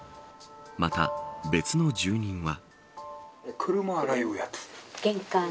また、別の住人は。